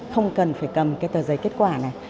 không cần phải cầm cái tờ giấy kết quả này